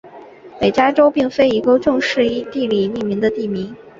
北加州并非一个正式依地理命名的地名。